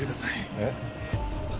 えっ？